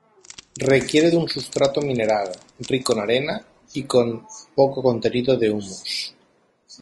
Requiere de un sustrato mineral, rico en arena y con poco contenido de humus.